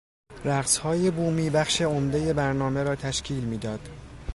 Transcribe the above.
رقصهای بومی بخش عمده برنامه را تشکیل میداد.